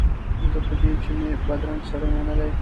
زه په دې چي مي بدرنګ سړی منلی